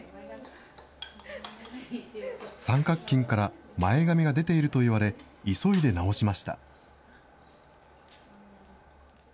三角巾から前髪が出ていると言われ、急いで直しました。